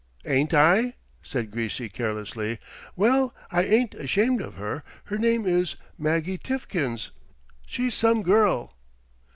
"Ain't I?" said Greasy carelessly. "Well, I ain't ashamed of her. Her name is Maggie Tiffkins. She's some girl!"